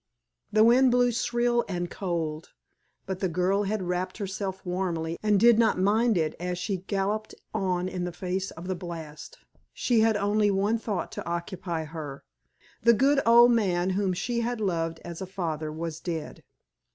The wind blew shrill and cold, but the girl had wrapped herself warmly and did not mind it as she galloped on in the face of the blast. She had only one thought to occupy her the good old man whom she had loved as a father, was dead.